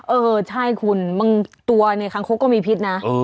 เออใช่คุณบางตัวในคางคกก็มีพิษนะ